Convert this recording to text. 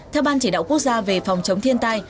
theo ban chỉ đạo quốc gia về phòng chống thiên tai